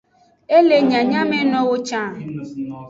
E le nyanyamenowo can.